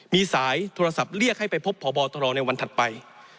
มีสายโทรศัพท์เรียกให้ไปพบพบตรในวันถัดไป